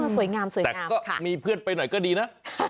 สวยงามสวยงามแต่ก็มีเพื่อนไปหน่อยก็ดีนะ